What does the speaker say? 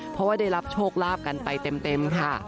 เพราะว่าได้รับโชคลาภกันไปเต็มค่ะ